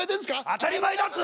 当たり前だっつうの！